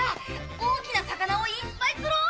大きな魚をいっぱい釣ろう！